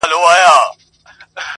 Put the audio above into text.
نه خبر په پاچهي نه په تدبير وو٫